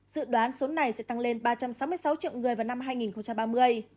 dự đoán số này sẽ tăng lên ba trăm sáu mươi sáu triệu người vào năm hai nghìn ba mươi